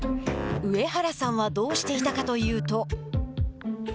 上原さんはどうしていたかというと。